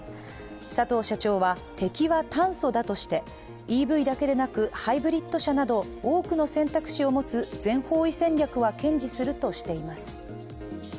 佐藤社長は、敵は炭素だとしてＥＶだけでなく、ハイブリッド車など多くの選択肢を持つ全方位戦略は堅持するとしています。